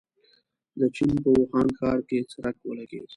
د چين په ووهان ښار کې څرک ولګېد.